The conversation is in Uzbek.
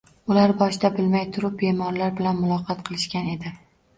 Ular boshida bilmay turib bemorlar bilan muloqot qilishgan edi